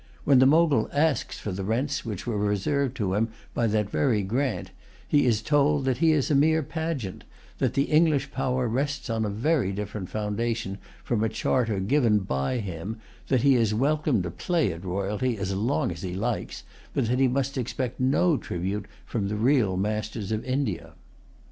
When the Mogul asks for the rents which were reserved to him by that very grant, he is told that he is a mere pageant, that the English power rests on a very different foundation from a charter given by him, that he is welcome to play at royalty as long as he likes, but that he must expect no tribute from the real masters of India.